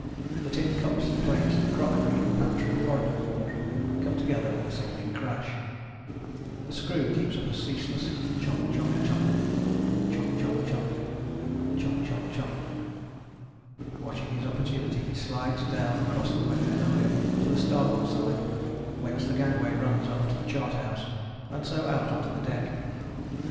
The tin cups and plates and crockery in the pantry forrard of the wardroom come together with a sickening crash. The screw keeps up a ceaseless chonk chonk chonk, chonk chonk chonk, chonk chonk chonk. Watching his opportunity he slides down across the wet linoleum to the starboard side, whence the gangway runs up to the chart house and so out on to the deck.